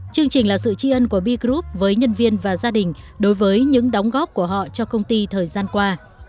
chương trình là sự tri ân của b group với nhân viên và gia đình đối với những đóng góp của họ cho công ty thời gian qua